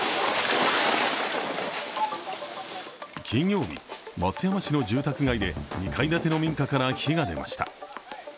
金曜日、松山市の住宅街で２階建ての民家から火が出ました。